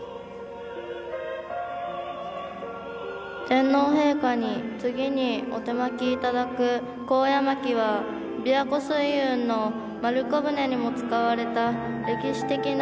天皇陛下に次にお手播きいただくコウヤマキはびわ湖水運の丸子舟にも使われた歴史的な背景のある樹種です。